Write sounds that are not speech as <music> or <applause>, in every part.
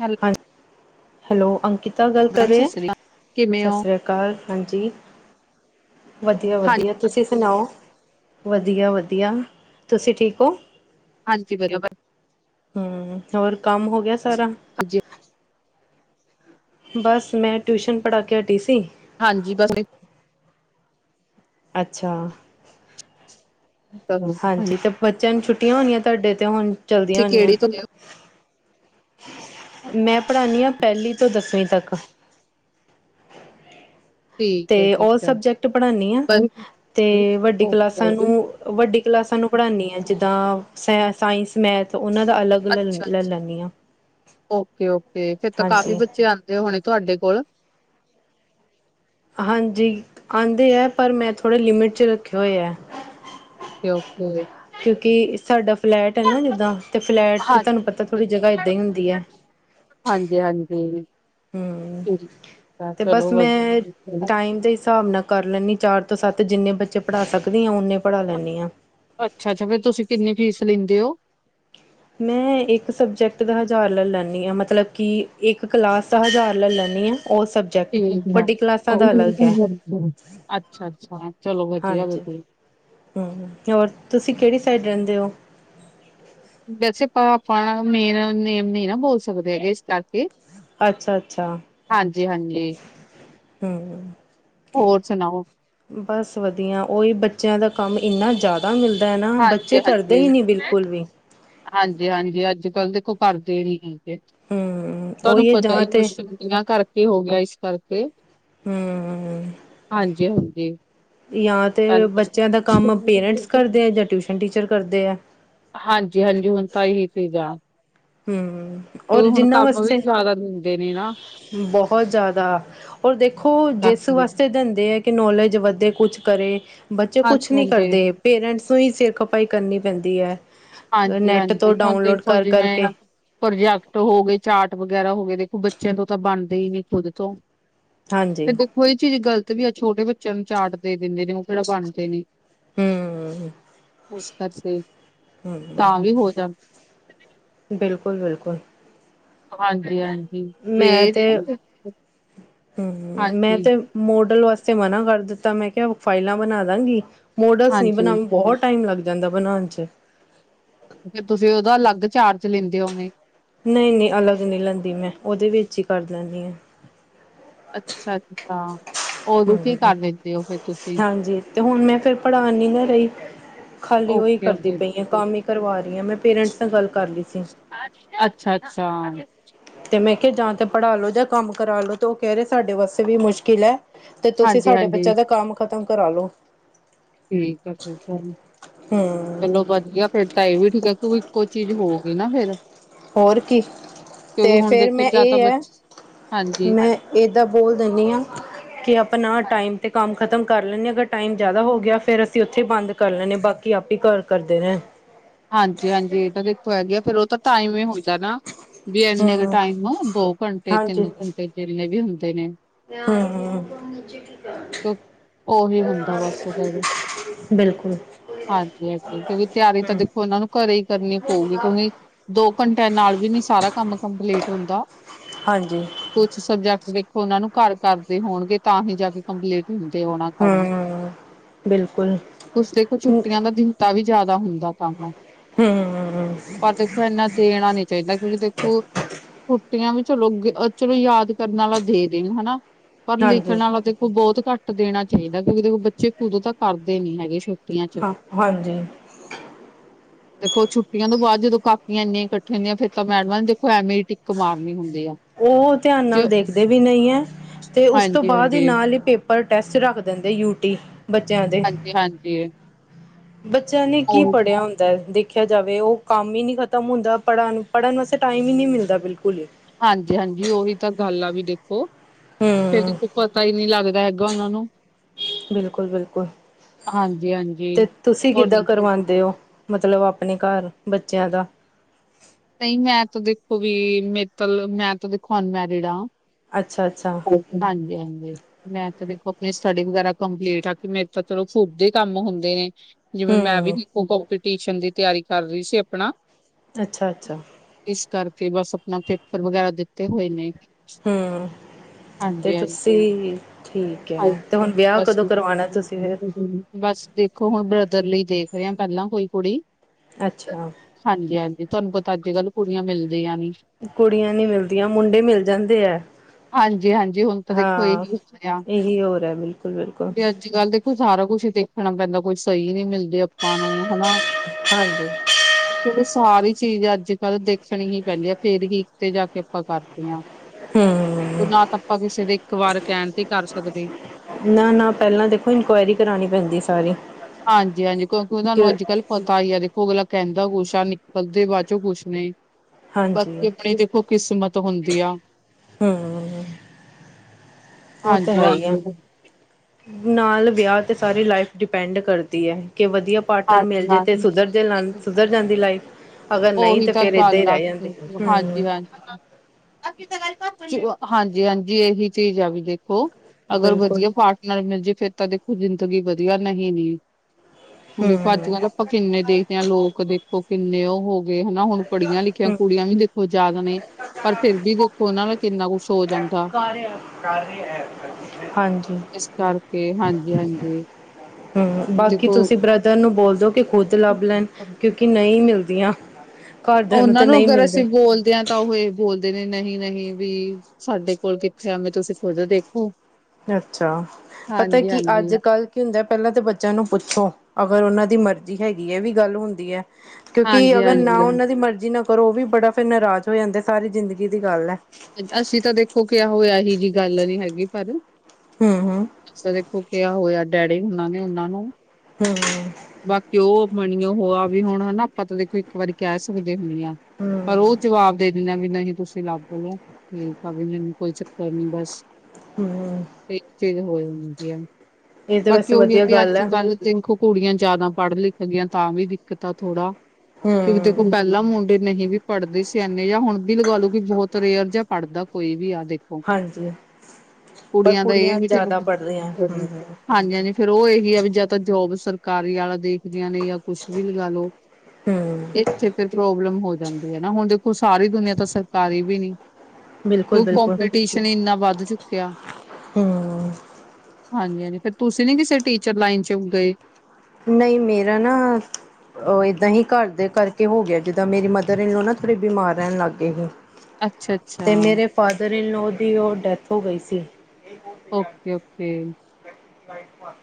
Hello ਹਾਂਜੀ, hello! Ankita ਗੱਲ ਕਰ ਮੈਮ ਰਹੇ ਸਤਿ ਹੈ, ਸ੍ਰੀ ਅਕਾਲ ਕਿਵੇਂ ਸਤਿ ਹੋ ਸ਼੍ਰੀ ਅਕਾਲ। ਕਲ ਹਾਂਜੀ, ਹਾਂਜੀ ਵਦੀਆ-ਵਦੀਆ ਤੁਸੀਂ ਸੁਨਾਓ, ਵਦੀਆ-ਵਦੀਆ, ਤੁਸੀਂ ਠੀਕ ਓਂ। ਹਾਂਜੀ ਵਦੀਆ ਵਾ ਹੂੰ ਹੋਰ ਕੰਮ ਹੋ ਗਿਆ ਸਾਰਾ। ਹਜੇ ਬਸ ਮੈਂ ਟਿਊਸ਼ਨ ਪੜਾ ਕੇ ਹਟੀ ਸੀ। ਹਾਂਜੀ ਬਸ ਅੱਛਾ, ਹਾਂਜੀ ਤਾਂ ਬੱਚਿਆਂ ਨੂੰ ਛੁੱਟੀਆਂ ਹੋਣੀਆਂ ਤਾਡੇ ਤੇ ਹੁਨ ਚੱਲਦੀਆਂ ਹੋਣੀਆਂ। ਕਿਹੜੀ ਤੋਂ ਲਿਓ? ਮੈਂ ਪੜਾਨੀ ਆਂ ਪੈਲੀ ਤੋਂ ਦਸਵੀਂ ਤੱਕ। ਠੀਕ ਤੇ ਹੈ ਠੀਕ ਓ ਹੈ ਸਬਜੈਕਟ ਪੜਾਨੀ ਆਂ, ਬਸ ਤੇ ਵੱਡੀ ਕਲਾਸਾਂ ਓਕੇ ਨੂੰ ਵੱਡੀ ਕਲਾਸਾਂ ਨੂੰ ਪੜਾਨੀ ਆਂ ਜਿੱਦਾਂ ਸੈਂਸ ਸਾਇੰਸ, ਮੈਥ ਓਨਾਂ ਦਾ ਅਲੱਗ ਲੈ ਅੱਛਾ-ਅੱਛਾ, ਲੈਂਦੀ ਹਾਂ ਓਕੇ-ਓਕੇ ਫੇਰ ਤਾਂ ਕਾਫੀ ਹਾਂਜੀ, ਬੱਚੇ ਆਂਦੇ ਹੋਨੇ ਤੁਆਡੇ ਕੋਲ। ਹਾਂਜੀ ਆਂਦੇ ਐ, ਪਰ ਮੈਂ ਥੋੜ੍ਹੇ ਲਿਮਿਟ ਚ ਰੱਖੇ ਹੋਏ ਐ। ਤੇ ਓਕੇ। ਕਿਓਂਕਿ ਸਾਡਾ ਫਲੈਟ ਐ ਨਾ ਜਿੱਦਾਂ ਤੇ ਫਲੈਟ ਚ ਤਾਨੂੰ ਪਤਾ ਥੋੜੀ ਜਗ੍ਹਾ ਏਦਾਂ ਈ ਹੁੰਦੀ ਐ। ਹਾਂਜੀ-ਹਾਂਜੀ। ਹੂੰ, ਤੇ ਚਲੋ ਬਸ ਮੈਂ ਵਧੀਆ ਟਾਈਮ ਦੇ ਹਿਸਾਬ ਨਾਲ ਕਰ ਲੈਂਨੀ ਆਂ ਚਾਰ ਤੋਂ ਸੱਤ ਜਿੰਨੇ ਬੱਚੇ ਪੜਾ ਸਕਦੀ ਆ ਓਨੇ ਪੜਾ ਲੈਂਨੀ ਆਂ। ਅੱਛਾ-ਅੱਛਾ ਫੇਰ ਤੁਸੀਂ ਕਿੰਨੀ ਫੀਸ ਲਿੰਦੇ ਓਂ। ਮੈਂ ਇੱਕ ਸਬਜੈਕਟ ਦਾ ਹਜ਼ਾਰ ਲੈ ਲੈਂਨੀ ਆਂ, ਮਤਲਬ ਕਿ ਇੱਕ ਕਲਾਸ ਦਾ ਹਜ਼ਾਰ ਲੈ ਲੈਂਨੀ ਆਂ। ਓ ਸਭ ਠੀਕ ਐ, ਓ ਬੜਾ ਤੰਗ ਕਰਦੇ ਐ, ਅੱਛਾ-ਅੱਛਾ। ਹਾਂਜੀ, ਹੂੰ ਹੋਰ ਤੁਸੀਂ ਕੇੜੀ ਸਾਈਡ ਰੈਂਦੇ ਓ। ਵੈਸੇ ਆਪਾਂ-ਆਪਾਂ ਮੇਨ ਨੇਮ ਨੀ ਨਾ ਬੋਲ ਸਕਦੇ ਹੈਗੇ ਇਸ ਕਰਕੇ। ਅੱਛਾ-ਅੱਛਾ, ਹਾਂਜੀ ਹਾਂਜੀ ਹੂੰ ਹੋਰ ਸਨਾਓ ਬਸ ਵਦੀਆ ਓਈ ਬੱਚਿਆਂ ਦਾ ਕੰਮ ਇੰਨਾ ਜ਼ਾਦ ਇੰਨਾ ਮਿਲਦਾ ਐ ਨਾ ਹਾਂਜੀ ਬੱਚੇ ਕਰਦੇ ਈ ਨੀ ਬਿਲਕੁਲ ਵੀ। ਹਾਂਜੀ-ਹਾਂਜੀ, ਅੱਜ-ਕੱਲ ਦੇਖੋ ਕਰਦੇ ਨੀ ਹੈਗੇ। ਹਮ ਤਾਨੂੰ ਉਹੀ ਹੈ ਪਤਾ ਈ ਜਾਂ ਨੀ ਤੇ ਛੁਟੀਆਂ ਕਰਕੇ ਹੋ ਗਿਆ ਇਸ ਕਰਕੇ। ਹੂੰ ਹਾਂਜੀ ਹੁੰਦੀ ਜਾਂ ਤੇ ਬੱਚਿਆਂ ਦਾ ਕੰਮ ਪੇਰੈਂਟਸ ਕਰਦੇ ਆ ਜਾਂ ਟਿਊਸ਼ਨ ਟੀਚਰ ਕਰਦੇ ਆ। ਹਾਂਜੀ-ਹਾਂਜੀ ਹੁਨ ਤਾਂ ਏਹੀ ਸੀਗਾ। ਹੂੰ ਔਰ ਜਿੰਨਾ ਵਸਤੇ ਨੀ ਨਾ ਬਹੁਤ ਜ਼ਾਦਾ ਔਰ ਦੇਖੋ ਜਿਸ ਕਰਕੇ। ਵਾਸਤੇ ਦਿੰਦੇ ਐ ਕਿ ਨੌਲੇਜ ਵਧੇ ਕੁਛ ਕਰੇ ਬੱਚੇ ਕੁਛ ਹਾਂਜੀ ਨੀ ਹਾਂਜੀ ਕਰਦੇ। ਪੇਰੈਂਟਸ ਨੂੰ ਈ ਸਿਰ ਖਪਾਈ ਕਰਨੀ ਪੈਂਦੀ ਐ ਹਾਂਜੀ ਨੈੱਟ ਤੋਂ ਹਾਂਜੀ ਹੁਣ ਡਾਊਨਲੋਡ ਦੇਖੋ ਕਰ-ਕਰ ਕੇ। ਜਿਵੇਂ ਪ੍ਰੋਜੈਕਟ ਹੋ ਗਏ ਚਾਟ ਵਗੈਰਾ ਹੋ ਗਏ ਦੇਖੋ ਬੱਚਿਆਂ ਤੋਂ ਤਾਂ ਬਨਦਾ ਈ ਨੀ ਖੁਦ ਤੋਂ। ਹਾਂਜੀ। ਓਈ ਚੀਜ਼ ਗ਼ਲਤ ਵੀ ਆ ਛੋਟੇ ਬੱਚਿਆਂ ਨੂੰ ਚਾਰਟ ਦੇ ਦਿੰਦੇ ਨੇ ਓ ਕੇੜਾ ਬਨਦੇ ਨੇ। ਹੂੰ। ਇਸ ਕਰਕੇ, ਤਾਂ ਵੀ ਹੋ ਜਾਂ ਬਿਲਕੁਲ-ਬਿਲਕੁਲ। ਹਾਂਜੀ ਹਾਂਜੀ ਵੇ ਮੈਂ ਤੇ, ਹੁੰ ਮੈਂ ਹਾਂਜੀ ਤੇ। ਮੋਡਲ ਵਾਸਤੇ ਮਨਾ ਕਰ ਦਿੱਤਾ, ਮੈਂ ਕਿਹਾ ਫਾਈਲਾਂ ਬਣਾ ਦਾਂਗੀ ਮੋਡਲਸ ਨੀ ਹਾਂਜੀ ਬਣਾਵਗੀ ਬਹੁਤ। ਟਾਈਮ ਲੱਗ ਜਾਂਦਾ ਬਣਾਉਣ ਚ। ਫੇਰ ਤੁਸੀਂ ਉਹਦਾ ਅਲੱਗ ਚਾਰਜ ਲੈਂਦੇ ਹੋਗੇ ਨਈ ਨੀ ਅਲੱਗ ਨੀ ਲੈਂਦੀ ਮੈਂ, ਉਹਦੇ ਵਿੱਚ ਹੀ ਕਰ ਦੇਨੀ ਆ। ਅੱਛਾ-ਅੱਛਾ ਉਦੋਂਸੀ ਹਮ ਕਰ ਦਿੰਦੇ ਹੋ ਹਾਂਜੀ, ਤੇ ਹੁਣ ਮੈਂ ਫੇਰ ਪੜ੍ਹਾ ਨੀ ਨਾ ਰਈ। ਖਾਲੀ ਅੋਈ ਓਕੇ ਕਰਦੀ ਓਕੇ ਪਈ ਆ ਕੰਮ ਹੀ ਕਰਵਾ ਰਹੀ ਹਾਂ, ਮੈਂ ਪੇਰੈਂਟਸ ਨਾਲ ਗੱਲ ਕਰ ਲਈ ਸੀ। ਅੱਛਾ, ਅੱਛਾ ਤੇ ਮੈਂ ਕਿਹਾ ਜਾਂ ਤਾਂ ਪੜ੍ਹਾ ਲੋ ਜਾਂ ਕੰਮ ਕਰਾ ਲੋ ਤਾਂ ਉਹ ਕਹਿ ਰਹੇ ਸਾਡੇ ਵਾਸਤੇ ਵੀ ਮੁਸ਼ਕਿਲ ਹੈ। ਤੇ ਤੁਸੀਂ ਹਾਂਜੀ ਸਾਡੇ ਹਾਂਜੀ ਬੱਚਿਆਂ ਦਾ ਕੰਮ ਖ਼ਤਮ ਕਰਾਲੋ। ਠੀਕ ਆ ਫਿਰ, ਚ ਹਮ ਚਲੋ ਵਧੀਆ ਫੇਰ ਤਾਂ ਇਹ ਵੀ ਠੀਕ ਆ ਕਿਉ ਇੱਕੋ ਚੀਜ਼ ਹੋ ਗਈ ਨਾ ਫੇਰ ਹੋਰ ਕੀ ਤੇ ਕਿਉਂਕਿ ਹੁਣ ਫੇਰ ਦੇਖੋ ਮੈਂ ਜਾਂ ਤਾਂ ਇਹ ਹੈ ਬੱਚੇ ਹਾਂਜੀ ਮੈਂ ਏਦਾਂ ਬੋਲ ਦੇੰਣੀ ਆ। ਕਿ ਆਪਣਾ ਟਾਈਮ ਤੇ ਕੰਮ ਖ਼ਤਮ ਕਰ ਲੈਂਦੇ ਹਾਂ ਅਗਰ ਟਾਈਮ ਜਿਆਦਾ ਹੋ ਗਿਆ ਫੇਰ ਅਸੀਂ ਉੱਥੇ ਬੰਦ ਕਰ ਲੈਣੇ ਬਾਕੀ ਆਪ ਹੀ ਘਰ ਕਰਦੇ ਨੇ ਹਾਂਜੀ, ਹਾਂਜੀ ਇਹ ਤਾਂ ਦੇਖੋ ਹੈਗੀ ਆ ਫੇਰ ਉਹ ਤਾਂ ਟਾਈਮ ਹੀ ਹੁੰਦਾ ਨਾ। ਵੀ ਇੰਨੇ ਕ ਹਮ ਟਾਈਮ ਨੂੰ ਦੋ ਘੰਟੇ ਹਾਂਜੀ ਤਿੰਨ ਘੰਟੇ ਜਿੰਨੇ ਵੀ ਹੁੰਦੇ ਨੇ ਹਮ ਕਿਉਂ- <unintelligible> ਉਹੀ ਹੁੰਦਾ ਬਸ ਫੇਰ ਬਿਲਕੁਲ ਹਾਂਜੀ, ਹਾਂਜੀ ਕਿਉਂਕਿ ਤਿਆਰੀ ਤਾਂ ਹਮ ਉਹਨਾਂ ਨੂੰ ਕੱਰੇ ਹੀ ਕਰਨੀ ਪਊਗੀ ਕਿਉਂਕਿ ਦੋ ਘੰਟਿਆਂ ਨਾਲ ਵੀ ਨੀ ਸਾਰਾ ਕੰਮ ਕੰਪਲੀਟ ਹੁੰਦਾ। ਹਾਂਜੀ ਕੁਛ ਸਬਜੈਕਟ ਦੇਖੋ ਉਹਨਾਂ ਨੂੰ ਘਰ ਕਰਦੇ ਹੋਣਗੇ ਤਾਂ ਹੀ ਜਾ ਕੇ ਕੰਪਲੀਟ ਹ ਤੇ ਹੋਣਾ ਕੰਮ ਹਮ ਬਿਲਕੁਲ ਉਸਦੇ ਕੋ ਹਮ ਛੁੱਟੀਆਂ ਦਾ ਦਿਨਤਾ ਵੀ ਜ਼ਾਦਾ ਹੁੰਦਾ ਕੰਮ, ਪਰ ਦੇਖੋ ਇੰਨਾ ਦੇਣਾ ਨੀ ਚਾਹੀਦਾ ਕਿਉਂਕਿ ਦੇਖੋ ਛੁੱਟੀਆਂ ਵੀ ਚਲੋ ਚਲੋ ਯਾਦ ਕਰਨ ਵਾਲਾ ਦੇਦੇ ਹਨਾ ਪਰ ਹਾਂਜੀ ਲਿਖਣ ਵਾਲਾ ਤੇ ਉਹ ਬਹੁਤ ਕੱਟ ਦੇਣਾ ਚਾਹੀਦਾ ਕਿਉਂਕਿ ਦੇਖੋ ਬੱਚੇ ਖੁਦੋਂ ਤਾਂ ਕਰਦੇ ਨੀ ਹੈਗੇ ਛੁੱਟੀਆਂ ਚ ਹਾਂ ਹਾਂਜੀ ਦੇਖੋ ਛੁੱਟੀਆਂ ਤੋਂ ਬਾਅਦ ਜਦੋਂ ਕਾਪੀਆਂ ਇੰਨੀਆਂ ਇਕੱਠੀਆਂ ਹੁੰਦੀਆਂ ਫੇਰ ਤਾਂ ਮੈਡਮਾਂ ਨੇ ਦੇਖੋ ਐਵੇਂ ਹੀ ਟਿੱਕ ਮਾਰਨੀ ਹੁੰਦੀ ਆ। ਉਹ ਤਿਆਨ ਜੇ ਨਾਲ ਦੇਖਦੇ ਵੀ ਨਈ ਏ ਤੇ ਉਸ ਤੋਂ ਹਾਂਜੀ ਬਾਅਦ ਹੀ ਹਾਂਜੀ ਨਾਲ ਹੀ ਪੇਪਰ ਪਰ ਟੈਸਟ ਰੱਖ ਦਿੰਦੇ ਯੂਟੀ ਬੱਚਿਆਂ ਦੇ ਹਾਂਜੀ- ਹਾਂਜੀ ਬੱਚਿਆਂ ਨੇ ਕੀ ਉਹ ਪੜ੍ਹਿਆ ਦੇਖਿਆ ਜਾਵੇ ਉਹ ਕੰਮ ਹੀ ਨਈ ਖਤਮ ਹੁੰਦਾ ਪੜ੍ਹਨ ਪੜ੍ਹਨ ਵਾਸਤੇ ਟਾਈਮ ਹੀ ਨਹੀਂ ਮਿਲਦਾ ਬਿਲਕੁਲ ਹੀ। ਹਾਂਜੀ-ਹਾਂਜੀ ਉਹੀ ਤਾਂ ਗੱਲ ਆ ਵੀ ਦੇਖੋ ਫਿਰ ਹਮ ਦੇਖੋ ਪਤਾ ਈ ਨੀਂ ਲੱਗਦਾ ਹੈਗਾ ਉਹਨਾਂ ਨੂੰ। ਬਿਲਕੁਲ, ਬਿਲਕੁਲ ਹਾਂਜੀ ਹਾਂਜੀ ਤੇ ਤੁਸੀਂ ਹੋਰ ਕਿੱਦਾਂ ਦੇਖੋ ਕਰਵਾ਼ਦੇ ਓ? ਮਤਲਬ ਆਪਣੇ ਕੱਰ ਬੱਚਿਆਂ ਦਾ ਨਹੀਂ ਮੈਂ ਤਾਂ ਦੇਖੋ ਵੀ ਮੇਤਲ ਮੈਂ ਤਾਂ ਦੇਖੋ ਅਨਮੈਰਿਡ ਆ। ਅੱਛਾ- ਅੱਛਾ ਹਾਂਜੀ, ਹਾਂਜੀ ਮੈਂ ਤਾਂ ਦੇਖੋ ਆਪਣੀ ਸਟੱਡੀ ਵਗੈਰਾ ਕੰਪਲੀਟ ਆ, ਕਿ ਮੇਰੇ ਤਾਂ ਚਲੋ ਫੂਬ ਦੇ ਕੰਮ ਹੁੰਦੇ ਨੇ। ਜਿਵੇਂ ਮੈਂ ਵੀ, ਹਮ ਕੰਪੀਟੀਸ਼ਨ ਦੀ ਤਿਆਰੀ ਕਰ ਰਹੀ ਸੀ ਆਪਣਾ। ਅੱਛਾ, ਅੱਛਾ ਇਸ ਕਰਕੇ ਬਸ ਆਪਣਾ ਪੇਪਰ ਵਗੈਰਾ ਦਿੱਤੇ ਹੋਏ ਨੇ। ਹਮ, ਤੇ ਹਾਂਜੀ ਹਾਂਜੀ ਬਸ ਤੁਸੀਂ, ਠੀਕ ਤੇ ਹਾਂਜੀ ਹੁਣ ਵਿਆਹ ਬਸ ਕਦੋਂ ਕਰਵਾਉਣਾ ਤੁਸੀਂ ਫਿਰ ਬਸ ਦੇਖੋ ਹੁਣ ਬ੍ਰਦਰ ਲਈ ਦੇਖ ਰਹੇ ਹ ਪਹਿਲਾਂ ਕੋਈ ਕੁੜੀ। ਅੱਛਾ। ਹਾਂਜੀ- ਹਾਂਜੀ, ਤੁਹਾਨੂੰ ਪਤਾ ਅੱਜ-ਕੱਲ੍ਹ ਕੁੜੀਆਂ ਮਿਲਦੀਆਂ ਨੀ। ਕੁੜੀਆਂ ਨੀ ਮਿਲਦੀਆਂ, ਮੁੰਡੇ ਮਿਲ ਜਾਂਦੇ ਐ। ਹਾਂਜੀ ਹਾਂਜੀ ਹੁਣ ਤਾਂ ਦੇਖੋ ਹਾਂ, ਇਹੀ ਏਹੀ ਹੋਰੈ, ਬਿਲ ਤੇ ਅੱਜ-ਕੱਲ ਦੇਖੋ ਸਾਰਾ ਕੁਛ ਦੇਖਣਾ ਪੈਂਦਾ, ਕੁਛ ਸਹੀ ਨੀ ਮਿਲਦੇ ਅਪਾਂ ਨੂੰ, ਹਨਾ। ਹਾਂਜੀ। <inaudible> ਕਿਉਂਕਿ ਸਾਰੀ ਚੀਜ਼ ਅੱਜ-ਕੱਲ ਦੇਖ੍ਣੀ ਹੀ ਪੈਂਦੀ ਹੈ, ਫੇਰ ਹੀ ਕਿਤੇ ਜਾ ਕੇ ਆਪਾਂ ਕਰਦੇ ਆਂ। ਹੂੰ। ਅਪਾਂ ਕਿਸੇ ਦੇ ਇੱਕ ਵਾਰ ਕੈਣ ਤੇ ਈ ਕਰ ਸਕਦੇ। ਨਾ -ਨਾ, ਪੈਲਾਂ ਦੇਖੋ ਇਨਕੁਐਇਰੀ ਕਰਾਣੀ ਪੈਂਦੀ ਏ ਸਾਰੀ। ਹਾਂਜੀ-ਹਾਂਜੀ ਕਿਉਂਕਿ ਉਹਨਾਂ ਨੂੰ ਕੇ ਅੱਜ ਕੱਲ੍ਹ ਪਤਾ ਈ ਆ ਦੇਖੋ, ਅਗਲਾ ਕੈੰਦਾ ਕੁਛ ਆ ਨਿਕਲਦੇ ਬਾਦ 'ਚੋਂ ਕੁੱਛ ਨੇ। ਹਾਂਜੀ ਬਾਕੀ ਅਪਣੇ ਦੇਖੋ ਕਿਸਮਤ ਹੁੰਦੀ ਆ। ਹਾਂ, ਓਹ ਤਾ ਹੈ ਈ ਐ। ਹਾਂਜੀ-ਹਾਂਜੀ, ਨਾਲ ਵਿਆਹ ਤੇ ਸਾਰੀ ਲਾਈਫ ਡਿਪੈਂਡ ਕਰਦੀ ਐ, ਕੇ ਵਧੀਆ ਪਾਰਟਨਰ ਮਿਲ ਜੇ ਤੇ ਹਾਂਜੀ-ਹਾਂਜੀ। ਸੁਧਰਜੇ ਲਣ ਸੁਧਰ ਜਾਂਦੀ ਲਾਈਫ। ਅਗਰ ਨਹੀਂ, ਉਹੀ ਤੇ ਫੇਰ ਏਦਾਂ ਹੀ ਰੈ ਜਾਂਦੀ, ਹੂੰ। ਹਾਂਜੀ। ਹਾਂਜੀ- ਹਾਂਜੀ, ਏਹੀ ਚੀਜ਼ ਆ ਵੀ ਦੇਖੋ। ਅਗਰ ਬਿਲਕੁਲ ਵਧੀਆ ਪਾਰਟਨਰ ਮਿਲ ਜੇ, ਫਿਰ ਤਾਂ ਦੇਖੋ ਜ਼ਿੰਦਗੀ ਵਧੀਆ, ਨਹੀਂ ਨੀ। ਹੂੰ ਹੁੰਦੇ, ਦੇਖੋ ਹੂੰ ਅੱਜ-ਕੱਲ ਅਪਾਂ ਕਿੰਨੇ ਦੇਖਦੇ ਹਾਂ, ਲੋਕ ਦੇਖੋ ਕਿੰਨੇ ਓਹ ਹੋ ਜੇ ਹੁਨਾ, ਹੁਣ ਪੜ੍ਹੀਆਂ-ਲਿਖੀਆਂ ਹੂੰ ਕੁੜੀਆਂ ਵੀ ਦੇਖੋ ਜਾਗ ਨੇ, ਪਰ ਫੇਰ ਬੀ ਫੋਨਾਂ ਨਾਲ ਕਿੰਨਾ ਕੁਛ ਹੋ ਜਾਂਦਾ। ਹਾਂਜੀ ਇਸ ਕਰਕੇ ਹਾਂਜੀ, ਹਾਂਜੀ। ਹੂੰ, ਬਾਕੀ ਦੇਖੋ ਤੁਸੀਂ ਬ੍ਰਦਰ ਨੂੰ ਬੋਲਦੋ ਕਿ ਖੁੱਦ ਲੱਭ ਲੈਣ, ਕਿਉਂਕਿ ਨਹੀਂ ਮਿਲਦੀਆਂ। ਘਰਦਿਆਂ ਓਹਨਾਂ ਤਾਂ ਨੂੰ ਨਹੀਂ ਅਗਰ ਅਸੀਂ ਮਿਲਦੇ ਬੋਲਦੇ ਆਂ ਤਾਂ ਉਹ ਏਹ ਬੋਲਦੇ ਨੇ, ਨਹੀਂ- ਨਹੀਂ ਵੀ, ਸਾਡੇ ਕੋਲ ਕਿੱਥੇ ਐਵੇਂ, ਤੁਸੀਂ ਖੁੱਦ ਦੇਖੋ। ਅੱਛਾ, ਪਤਾ ਹਾਂਜੀ ਕੀ ਹਾਂਜੀ ਅੱਜ-ਕੱਲ ਕੀ ਹੁੰਦਾ ਪੈਲਾਂ ਤਾਂ ਬੱਚਿਆਂ ਨੂੰ ਪੁੱਛੋ, ਅਗਰ ਓਨਾਂ ਦੀ ਮਰਜ਼ੀ ਹੈਗੀ, ਐਵੀ ਗੱਲ ਹੁੰਦੀ ਐ। ਕਿਉਂਕਿ ਹਾਂਜੀ ਅਗਰ ਨਾ ਹਾਂਜੀ ਉਹਨਾਂ ਦੀ ਮਰਜ਼ੀ ਨਾ ਕਰੋ ਓਹ ਵੀ ਬੜਾ ਫੇਰ ਨਰਾਜ਼ ਹੋ ਜਾਂਦੇ ਐ, ਸਾਰੀ ਜ਼ਿੰਦਗੀ ਦੀ ਗੱਲ ਐ। ਅਸੀਂ ਤਾਂ ਦੇਖੋ ਕਿਹਾ ਹੋਇਆ ਹੀ ਜੀ, ਗੱਲ ਨੀ ਹੈਗੀ ਪਰ ਹੂੰ, ਹਾਂ। ਅਸ ਤਾ ਦੇਖੋ ਕਿਹਾ ਹੋਇਆ ਡੈਡੀ ਹੋਨਾਂ ਨੂ, ਉਹਨਾਂ ਨੂੰ। ਹਮ ਬਾਕਿ ਔ ਮਣੀਓ ਹੋਆ ਵੀ ਹੁਣ ਹਨਾ ਅਪਾਂ ਤਾਂ ਦੇਖੋ ਇੱਕ ਵਾਰੀ ਕੈ ਸ ਪੁਛਦੇ ਹੁਣੀ ਆ, ਹਮ ਪਰ ਓਹ ਜਵਾਬ ਦੇ ਦਿੰਦਾ ਵੀ ਨਹੀਂ ਤੁਸੀਂ ਲੱਭ ਲੋ। ਠੀਕ ਆ ਵੀ ਮੈਨੂੰ ਕੋਈ ਚੱਕਰ ਨੀ ਬਸ, ਹਮ ਇੱਕ ਚੀਜ਼ ਹੋ ਜਾਂਦੀ ਐ। ਇਹ ਤਾਂ ਬਾਕੀ ਵੈਸੇ ਓਹੀ ਆਂ ਵਧੀਆ ਵੀ ਗੱਲ ਹੈ ਅੱਜ-ਕਲ ਦੇਖੋ ਕੁੜੀਆਂ ਜਾਦਾ ਪੜ੍ਹ-ਲਿਖ ਗੀਆਂ ਤਾਂ ਵੀ ਦਿੱਕਤ ਆ ਥੋੜਾ। ਕਿਉਂਕਿ ਦੇ ਹਮ ਉਹ ਪੈਲਾਂ ਮੁੰਡੇ ਨਹੀਂ ਵੀ ਪੜ੍ਹਦੇ ਸੀ ਐਨੇ, ਜਾਂ ਹੁਣ ਵੀ ਲਗਾ ਲੋ ਕਿ ਬੌਤ ਰੇਅਰ ਜਾਂ ਪੜ੍ਹਦਾ ਕੋਈ ਵੀ ਆ ਦੇਖ ਹਾਂਜੀ ਪਰ ਕੁੜੀਆਂ ਦਾ ਏਹ ਐ ਵੀ ਚਲੋ ਜ਼ਿਆਦਾ ਪੜ੍ਹਦੀਆਂ ਹਮ ਹਾਂਜੀ ਹਾਂਜੀ, ਫੇਰ ਓਹ ਏਹੀ ਆ ਵੀ ਜਾਂ ਤਾਂ ਜੋਬ ਸਰਕਾਰੀ ਆਲਾ ਦੇਖਦੀਆਂ ਨੇ ਯਾ ਕੁੱਛ ਵੀ ਲਗਾ ਲੋ, ਹਮ ਇਥੇ ਫੇਰ ਪ੍ਰੋਬਲਮ ਹੋ ਜਾਂਦੀ ਐ ਨਾ। ਹੁਣ ਦੇ ਖੋ ਸਾਰੀ ਦੁਨੀਆਂ ਤਾਂ ਸਰਕਾਰੀ ਵੀ ਨੀ। ਬਿਲਕੁਲ ਕਿਉਂ ਬਿਲਕੁਲ ਕੋੰਪੀਟੀਸ਼ਨ ਇੰਨਾ ਵੱਧ ਚੁੱਕਿਆ। ਹਮ ਹਾਂਜੀ ਹਾਂਜੀ, ਫਿਰ ਤੁਸੀਂ ਨੀ ਕਿਸੇ ਟੀਚਰ ਲਾਈਨ ਚ ਗਏ? ਨਹੀਂ ਮੇਰਾ ਨਾ ਔ ਏਦਾਂ ਹੀ ਘਰ ਦੇ ਕਰਕੇ ਹੋ ਗਿਆ ਜਿੱਦਾਂ ਮੇਰੀ ਮਦਰ ਇਨ ਲੋ ਨਾ ਥੋੜੇ ਬਿਮਾਰ ਰੈਣ ਲੱਗ ਗਏ ਹੀ। ਅੱਛਾ ਅੱਛਾ ਤੇ ਮੇਰੇ ਫਾਦਰ ਇਨਲੋ ਦੀ ਉਹ ਡੈਥ ਹੋ ਗਈ ਸੀ। Okay okay life partner.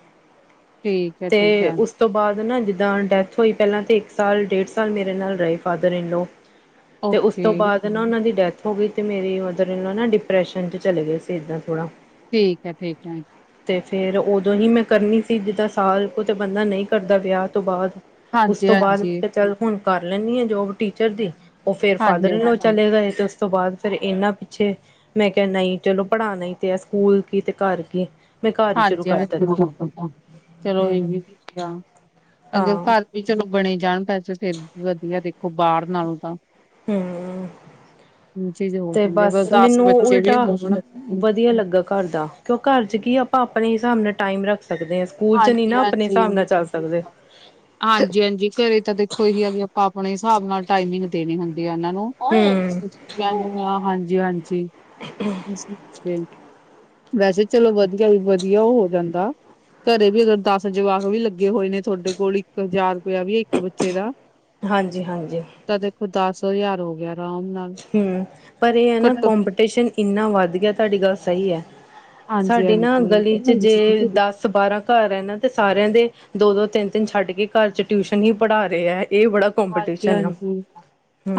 ਠੀਕ ਹੈ ਤੇ ਠੀਕ ਹੈ ਉਸ ਉਸ ਤੋਂ ਬਾਅਦ ਨਾ ਜਿੱਦਾਂ ਡੈਥ ਹੋਈ ਪਹਿਲਾਂ ਤੇ ਇੱਕ ਸਾਲ ਡੇਢ ਸਾਲ ਮੇਰੇ ਨਾਲ ਰਹੇ ਫਾਦਰ ਇਨ ਲੋ ਅਤੇ ਉਸ ਤੋਂ ਓਕੇ ਬਾਅਦ ਨਾ ਉਹਨਾਂ ਦੀ ਡੈਥ ਹੋ ਗਈ ਤੇ ਮੇਰੀ ਮਦਰ ਇਨਲੋ, ਡਿਪਰੈਸ਼ਨ ਚ ਚਲੇ ਗਏ ਸੀ ਇਦਾਂ ਥੋੜਾ। ਠੀਕ ਹੈ, ਠੀਕ ਹੈ ਤੇ ਫੇਰ ਉਦੋਂ ਹੀ ਮੈਂ ਕਰਨੀ ਸੀ ਜਿੱਦਾਂ ਸਾਲ ਕੁ ਤੇ ਬੰਦਾ ਨਹੀਂ ਕਰਦਾ ਵਿਆਹ ਤੋਂ ਬਾਅਦ। ਉਸ ਹਾਂਜੀ ਤੋਂ ਬਾਅਦ ਮੈਂ ਹਾਂਜੀ ਕਿਹਾ ਚੱਲ ਹੁਣ ਕਰ ਲੈਂਦੀ ਹਾਂ, ਜੋਬ ਟੀਚਰ ਦੀ ਫੇਰ ਹਾਂਜੀ ਫਾਦਰ ਇਨ ਲੋ ਹਾਂਜੀ ਚਲੇ ਗਏ। ਉਸ ਤੋਂ ਬਾਅਦ ਫਿਰ ਇਹਨਾਂ ਪਿੱਛੇ, ਮੈਂ ਕਿਹਾ ਨਹੀਂ ਚਲੋ ਪੜ੍ਹਾਣਾ ਤੇ ਹੈ ਸਕੂਲ ਕੀ ਤੇ ਘਰ ਕੀ। ਮੈਂ ਘਰ ਹੀ ਸ਼ੁਰੂ ਹਾਂਜੀ, ਕਰ ਦਿੱਤਾ। ਚਲੋ ਇਹ ਹੂੰ ਵਧੀਆ ਅਗਰ ਹਾਂ ਘਰ ਵੀ ਚਲੋ ਬਣੇ ਜਾਣ ਪੈਸੇ ਤਾਂ ਫਿਰ ਵਧੀਆ ਦੇਖੋ ਬਾਹਰ ਨਾਲੋਂ ਤਾਂ। ਹੂੰ ਚੀਜ਼ ਹੋ ਤੇ ਜਾਂਦੀ ਬਸ ਦਸ ਮੈਨੂੰ ਬੱਚੇ ਵੀ ਉਲਟਾ, ਹੋਣ ਵਧੀਆ ਲੱਗਾ। ਘਰ ਦਾ ਕਿਉਂ ਘਰ ਚ ਕੀ, ਆਪਾਂ ਆਪਣੇ ਹਿਸਾਬ ਨਾਲ ਟਾਈਮ ਰੱਖ ਸਕਦੇ ਹਾਂ। ਸਕੂਲ ਚ ਨੀ ਹਾਂਜੀ ਨਾ ਆਪਣੇ ਹਿਸਾਬ ਨਾਲ ਚੱਲ ਸਕਦੇ। ਹਾਂਜੀ, ਹਾਂਜੀ ਘਰੇ ਤਾਂ ਦੇਖੋ ਹੈ ਹੀ ਆ ਵੀ ਆਪਾਂ ਆਪਣੇ ਹਿਸਾਬ ਨਾਲ ਟਾਈਮਿੰਗ ਦੇਣੀ ਹੁੰਦੀ ਆ ਇਹਨਾਂ ਨੂੰ ਹੂੰ ਹਾਂਜੀ ਹਾਂਜੀ ਹੂੰ ਵੈਸੇ ਚਲੋ ਵਧੀਆ, ਵਧੀਆ ਉਹ ਹੋ ਜਾਂਦਾ ਘਰੇ ਵੀ ਅਗਰ ਦਸ ਜਵਾਕ ਵੀ ਲੱਗੇ ਹੋਏ ਨੇ, ਤੁਹਾਡੇ ਕੋਲ ਇੱਕ ਹਜ਼ਾਰ ਰੁਪਇਆ ਵੀ ਇੱਕ ਬੱਚੇ ਦਾ। ਹਾਂਜੀ ਹਾਂਜੀ ਤਾਂ ਦੇਖੋ ਦਸ ਹਜ਼ਾਰ ਹੋ ਗਿਆ ਆਰਾਮ ਨਾਲ। ਹੂੰ, ਪਰ ਇਹ ਹੈ ਨਾ ਘੱਟੋ ਕੋਂਪੀਟੀਸ਼ਨ ਇੰਨਾ ਵੱਧ ਗਿਆ, ਤੁਹਾਡੀ ਗੱਲ ਸਹੀ ਹੈ। ਸਾਡੀ ਨਾ ਗਲੀ ਚ ਜੇ ਹਾਂਜੀ-ਹਾਂਜੀ। ਦਸ ਬਾਰਾਂ। ਘਰ ਹੈ ਨਾ ਤੇ ਸਾਰਿਆਂ ਦੇ, ਦੋ- ਦੋ ਤਿੰਨ- ਤਿੰਨ ਛੱਡ ਕੇ ਘਰ ਚ ਟਿਊਸ਼ਨ ਹੀ ਪੜ੍ਹਾ ਰਹੇ ਹੈ। ਇਹ ਬੜਾ ਹਾਂਜੀ, ਕਪੀਟੀਸ਼ਨ ਆ ਹਾਂਜੀ,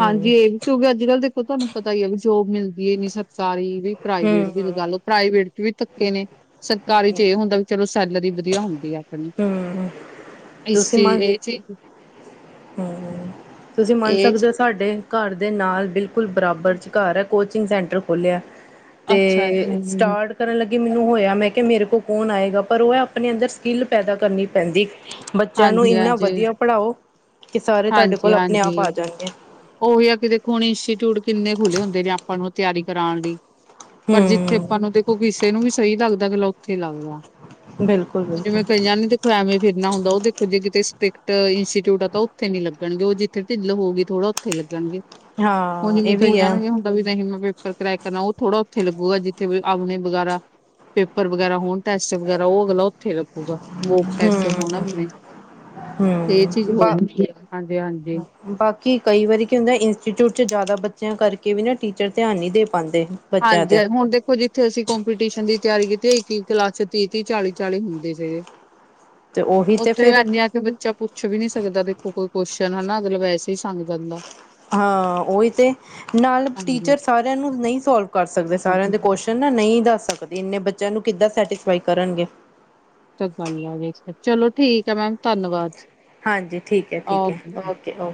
ਹਾਂਜੀ ਇਹ ਵੀ। ਕਿਉਂਕਿ ਅੱਜ ਕੱਲ ਦੇਖੋ ਤੁਹਾਨੂੰ ਪਤਾ ਹੀ ਹੈ, ਵੀ ਜੋਬ ਮਿਲਦੀ ਹੈ ਨੀ, ਸਰਕਾਰੀ ਵੀ ਹੂੰ ਪ੍ਰਾਈਵੇਟ ਦੀ ਗੱਲ। ਪ੍ਰਾਈਵੇਟ ਚ ਵੀ ਧੱਕੇ ਨੇ, ਸਰਕਾਰੀ ਚ ਇਹ ਹੁੰਦਾ ਵੀ ਚਲੋ ਸੈਲਰੀ ਵਧੀਆ ਹੁੰਦੀ ਆ ਆਪਣੀ। ਹੂੰ ਇਸ ਚੀਜ਼ ਇਹ ਚੀਜ਼ ਹ ਤੁਸੀਂ ਮੰਨ ਇਹ ਸਕਦੇ ਹੋ ਚੀਜ਼- ਸਾਡੇ ਘਰ ਦੇ ਨਾਲ ਬਿਲਕੁਲ ਬਰਾਬਰ ਚ ਘਰ ਹੈ। ਕੋਚਿੰਗ ਸੈਂਟਰ ਖੋਲ੍ਹਿਆ ਤੇ ਅੱਛਾ ਜੀ ਸਟਾਰਟ ਕਰਨ ਲੱਗੀ ਮੈਨੂੰ ਹੋਇਆ ਮੈਂ ਕਿਹਾ ਮੇਰੇ ਕੋਲ ਕੌਣ ਆਏਗਾ? ਪਰ ਉਹ ਆਪਣੇ ਅੰਦਰ ਸਕਿੱਲ ਪੈਦਾ ਕਰਨੀ ਪੈਂਦੀ। ਬੱਚਿਆਂ ਨੂੰ ਇੰਨਾ ਹਾਂਜੀ-ਹਾਂਜੀ, ਵਧੀਆ ਪੜ੍ਹਾਓ ਕਿ ਸਾਰੇ ਤੁਹਾਡੇ ਕੋਲ ਆਪਣੇ ਹਾਂਜੀ-ਹਾਂਜੀ ਆਪ ਆ ਜਾਣਗੇ ਉਹੀ ਆ ਕਿ ਦੇਖੋ, ਹੁਣ ਇੰਸਟੀਚਿਊਟ ਕਿੰਨੇ ਖੁੱਲ੍ਹੇ ਹੁੰਦੇ ਨੇ ਆਪਾਂ ਨੂੰ ਤਿਆਰੀ ਕਰਾਉਣ ਲਈ। ਪਰ ਜਿੱਥੇ ਆਪਾਂ ਹੂੰ ਨੂੰ ਦੇਖੋ ਕਿਸੇ ਨੂੰ ਵੀ ਸਹੀ ਲੱਗਦਾ ਕਿ ਚਲੋ ਉੱਥੇ ਲੱਗਦਾ ਹੁਣ ਬਿਲਕੁਲ ਬਿਲਕੁਲ ਜਿਵੇਂ ਕਈਆਂ ਤੇ ਖਵੇਂ ਫਿਰਨਾ ਹੁੰਦਾ ਉਹ ਦੇਖੋ ਜੇ ਕਿਤੇ ਸਟ੍ਰਿਕਟ ਇੰਸਟੀਟਿਊਟ ਆ ਤਾਂ ਉੱਥੇ ਨੀ ਲੱਗਣਗੇ ਉਹ ਜਿੱਥੇ ਢਿੱਲ ਹੋਗੀ ਥੋੜਾ ਉੱਥੇ ਲੱਗਣਗੇ ਹਾਂ ਹੁਣੇ ਇਹ ਜਿਵੇ ਵੀ ਹੈ ਜਾਣਗੇ ਵੀ ਨਹੀਂ ਮੈਂ ਪੇਪਰ ਕਰਾਇ ਕਰਨਾ, ਉਹ ਥੋੜਾ ਉੱਥੇ ਲੱਗਗੇਗਾ ਜਿੱਥੇ ਵੀ ਆਮਣੇ ਵਗੈਰਾ ਪੇਪਰ ਵਗੈਰਾ ਹੋਣ ਟੈਸਟ ਵਗੈਰਾ ਉਹ ਅਗਲਾ ਉੱਥੇ ਲੱਗੂਗਾ ਵੋ ਹੂੰ ਟੈਸਟ ਹੋਣ ਆਪਣੇ ਇਹ ਚੀਜ਼ ਹੂੰ ਬਾ ਹੋਦੀ ਆ ਹਾਂਜੀ-ਹਾਂਜੀ ਬਾਕੀ ਕਈ ਵਾਰੀ ਕੀ ਹੁੰਦਾ ਇੰਸਟੀਚਿਊਟ ਚ ਜ਼ਿਆਦਾ ਬੱਚਿਆਂ ਕਰਕੇ ਵੀ ਨਾ ਟੀਚਰ ਧਿਆਨ ਨਹੀਂ ਦੇ ਪਾਉਂਦੇ। ਬੱਚਿਆਂ ਤੇ ਹਾਂਜੀ-ਹਾਂਜੀ ਹੁਣ ਦੇਖੋ ਉਹ ਜਿੱਥੇ ਅਸੀਂ ਕੋਂਪੀਟੀਸ਼ਨ ਦੀ ਤਿਆਰੀ ਕੀਤੀ ਇੱਕੀ ਹੀ ਕਲਾਸ ਚ ਤੀਹ-ਤੀਹ, ਚਾਲੀ-ਚਾਲੀ ਹੁੰਦੇ ਸੀਗੇ ਤੇ ਉਹੀ ਤੇ ਉੱਥੇ ਫਿਰ ਇਨ ਆ ਕਿ ਬੱਚਾ ਪੁੱਛ ਵੀ ਨੀ ਸਕਦਾ ਦੇਖੋ ਕੋਈ ਕੁਸ਼ਚਨ ਹਨਾ ਮਤਲਬ ਵੈਸੇ ਹੀ ਸੰਗਦਾ ਹਾਂ ਉਹੀ ਤੇ ਨਾਲ ਹਾਂਜੀ ਟੀਚਰ ਸਾਰਿਆਂ ਨੂੰ ਨਹੀਂ ਸੋਲਵ ਕਰ ਸਕਦੇ ਸਾਰਿਆਂ ਦੇ ਕੁਸ਼ਚਨ ਨਾ ਨਹੀਂ ਦੱਸ ਸਕਦੇ ਇੰਨੇ ਬੱਚਿਆਂ ਨੂੰ ਕਿੱਦਾਂ ਸੈਟਿਸਫਾਈ ਕਰਨਗੇ। <unintelligible> ਚਲੋ ਠੀਕ ਹੈ ਮੈਮ ਧੰਨਵਾਦ। ਹਾਂਜੀ ਠੀਕ ਹੈ, ਠੀਕ ਹੈ ਓਕੇ, ਓਕੇ